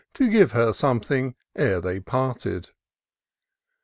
To give her something ere they parted.